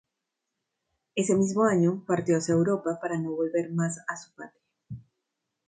Ese mismo año partió hacia Europa, para no volver más a su patria.